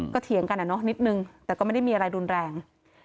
ก็เถียงกันอะเนาะนิดนึงแต่ก็ไม่ได้มีอะไรรุนแรง